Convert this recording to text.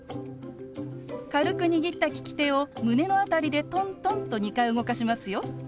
軽く握った利き手を胸の辺りでトントンと２回動かしますよ。